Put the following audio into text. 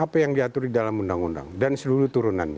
apa yang diatur di dalam undang undang dan seluruh turunannya